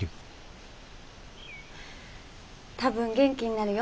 多分元気になるよ。